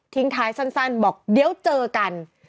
ท้ายสั้นบอกเดี๋ยวเจอกัน